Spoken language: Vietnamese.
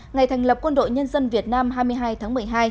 ngày thành lập quân đội nhân dân việt nam hai mươi hai tháng một mươi hai